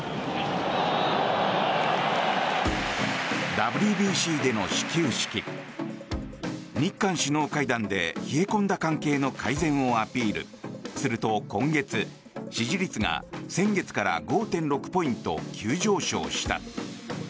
ＷＢＣでの始球式日韓首脳会談で冷え込んだ関係の改善をアピールすると今月、支持率が先月から５．６ポイント急上昇した。